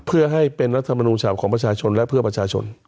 เพื่อให้เป็นรัฐมนูลฉบับของประชาชนและเพื่อประชาชน